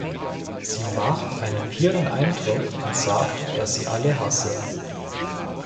Sie macht einen wirren Eindruck und sagt, dass sie alle hasse.